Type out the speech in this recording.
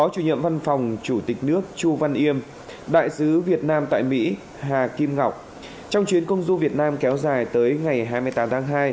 trong chuyến công du việt nam kéo dài tới ngày hai mươi tám tháng hai